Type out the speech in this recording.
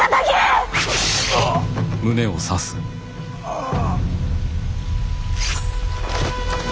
ああ。